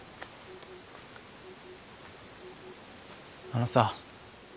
あのさ。